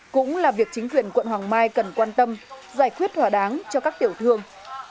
cũng là việc chính quyền quận hoàng mai cần quan tâm giải quyết hòa đáng cho các tiểu thương